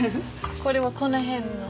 これはこの辺の？